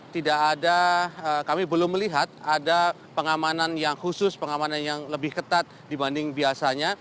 tidak ada kami belum melihat ada pengamanan yang khusus pengamanan yang lebih ketat dibanding biasanya